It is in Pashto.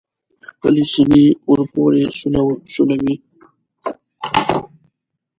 خپلې سینې ور پورې سولوي.